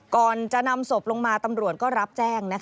ก่อนจะนำศพลงมาตำรวจก็รับแจ้ง